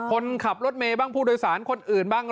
คนขับรถเมย์บ้างผู้โดยสารคนอื่นบ้าง